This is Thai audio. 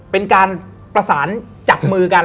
เป็นการประสานจับมือกัน